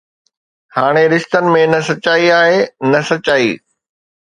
هاڻي رشتن ۾ نه سچائي آهي نه سچائي